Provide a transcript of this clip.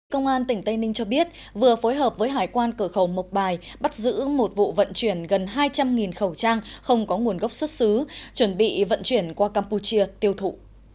công an tỉnh tây ninh cho biết vừa phối hợp với hải quan cửa khẩu mộc bài bắt giữ một vụ vận chuyển gần hai trăm linh khẩu trang không có nguồn gốc xuất xứ chuẩn bị vận chuyển qua campuchia tiêu thụ